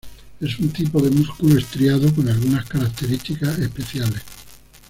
Es un tipo de músculo estriado con algunas características especiales.